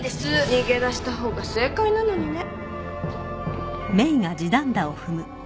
逃げ出した方が正解なのにね。